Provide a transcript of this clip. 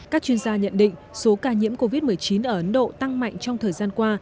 các chuyên gia nhận định số ca nhiễm covid một mươi chín ở ấn độ tăng mạnh trong thời gian qua